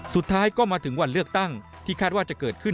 สุดท้ายก็มาถึงวันเลือกตั้งที่คาดว่าจะเกิดขึ้น